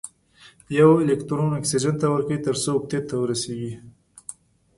یو الکترون اکسیجن ته ورکوي تر څو اوکتیت ته ورسیږي.